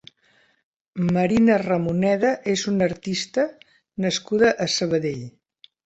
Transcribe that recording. Marina Ramoneda és una artista nascuda a Sabadell.